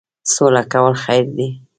سوله کول خیر دی